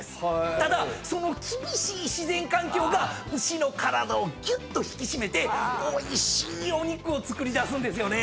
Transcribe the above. ただその厳しい自然環境が牛の体をぎゅっと引き締めておいしいお肉をつくり出すんですよね。